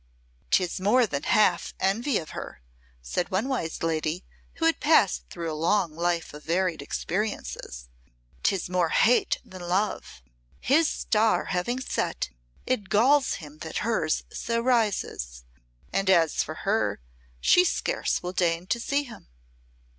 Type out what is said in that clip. "'Tis more than half envy of her," said one wise lady, who had passed through a long life of varied experiences. "'Tis more hate than love. His star having set, it galls him that hers so rises. And as for her, she scarce will deign to see him."